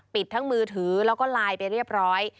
ทั้งมือถือแล้วก็ไลน์ไปเรียบร้อย